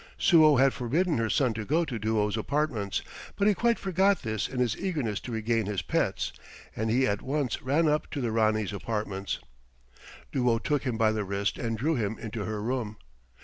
Suo had forbidden her son to go to Duo's apartments, but he quite forgot this in his eagerness to regain his pets, and he at once ran up to the Ranee's apartments. Duo took him by the wrist and drew him into her room.